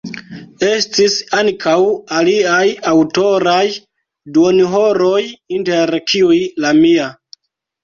Estis ankaŭ aliaj aŭtoraj duonhoroj, inter kiuj la mia.